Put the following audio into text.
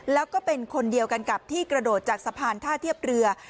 แล้วก็เป็นคนเดียวกันกับที่กระโดดจากสะพานท่าเทียบเรือ